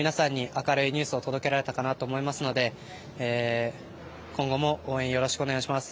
明るいニュースを届けられたと思いますので今後も応援よろしくお願いします。